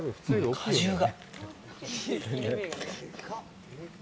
果汁が。